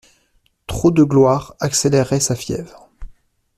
Trop de gloire accélérait sa fièvre.